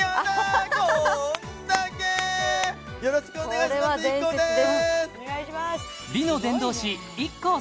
よろしくお願いしますできたんですよ